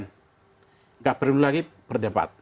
tidak perlu lagi berdebat